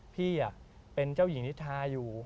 พี่เป็นเจ้าหญิงนิทาอยู่